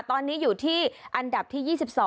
ตอนนี้อยู่ที่อันดับที่๒๒